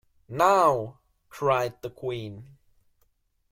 ‘Now!’ cried the Queen.